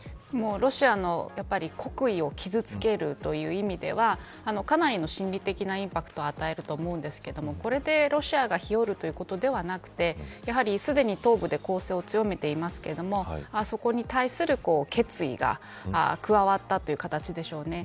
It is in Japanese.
ロシアの国威を傷つけるという意味ではかなりの心理的なインパクトを与えると思うんですけどこれでロシアがひよるということではなくてやはり、すでに東部で攻勢を強めていますけれどもそこに対する決意が加わったという形でしょうね。